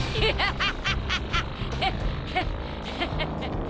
ハハハハ！